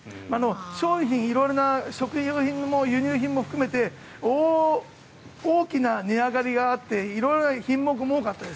商品、色々な食料品も輸入品も含めて大きな値上がりがあって色々、品目も多かったです。